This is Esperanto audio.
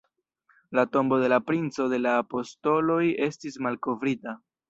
La tombo de la Princo de la Apostoloj estis malkovrita”.